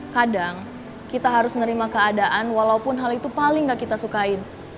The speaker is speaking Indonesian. kadang kita harus nerima keadaan walaupun hal itu paling gak kita sukain